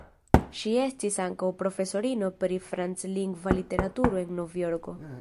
Ŝi estis ankaŭ profesorino pri franclingva literaturo en Novjorko.